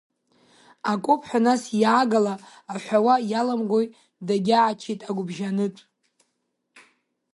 Акоуп ҳәа, нас иаагала аҳәауа иаламгои, дагьааччеит агәыбжьанытә.